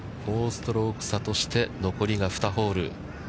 ４ストローク差として、残りが２ホール。